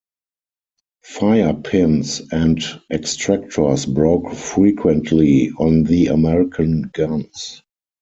Firing pins and extractors broke frequently on the American guns.